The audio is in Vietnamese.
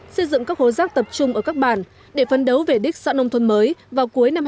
xây dựng các hộ rác tập trung ở các bản để phân đấu về đích xã nông thôn mới vào cuối năm hai nghìn một mươi tám